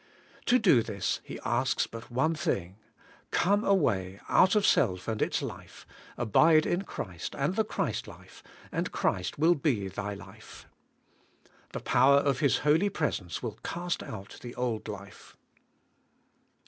To do this He asks but one thing: Come away out of self and its life, abide in Christ and the Christ life, and Christ will be thy life. The power of His holy presence will cast out the old life.